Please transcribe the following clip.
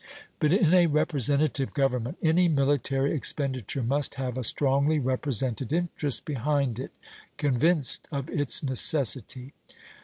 But in a representative government any military expenditure must have a strongly represented interest behind it, convinced of its necessity.